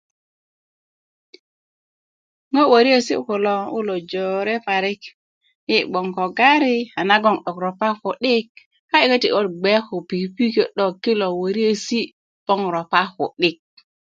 ŋo woriyesi kulo ŋo kulo jore parik yi bgoŋ ko gari a nagon 'dok ropa ku'dik a yi koti' gwe ko pikipiki 'dok kilo woriyesi'boŋ ropa ku'dik